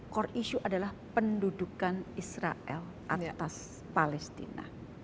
core issue adalah pendudukan israel atas palestina